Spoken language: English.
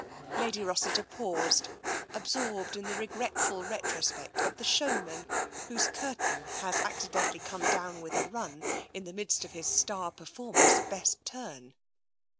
..." Lady Rossiter paused, absorbed in the regretful ret rospect of the showman whose curtain has accidentally come down with a run in the midst of his star per former's best turn.